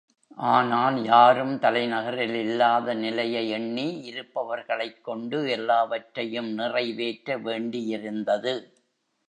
ஆனால் யாரும் தலைநகரில் இல்லாத நிலையை எண்ணி இருப்பவர்களைக் கொண்டு எல்லாவற்றையும் நிறைவேற்ற வேண்டியிருந்தது.